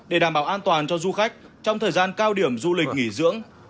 để đảm bảo an toàn cho du khách trong thời gian cao điểm du lịch nghỉ dưỡng